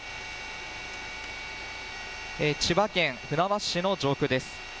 千葉県船橋市の上空です。